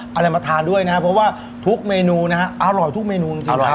อะไรมาทานด้วยนะครับเพราะว่าทุกเมนูนะฮะอร่อยทุกเมนูจริงครับ